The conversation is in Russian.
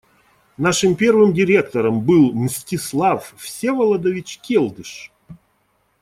Нашим первым директором был Мстислав Всеволодович Келдыш.